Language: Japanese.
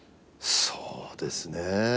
そうですね。